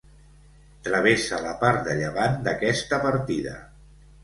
Travessa la part de llevant d'aquesta partida.